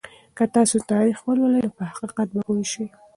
که تاسو تاریخ ولولئ نو په حقیقت به پوه شئ.